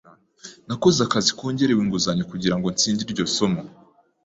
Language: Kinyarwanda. Nakoze akazi kongerewe inguzanyo kugirango ntsinde iryo somo.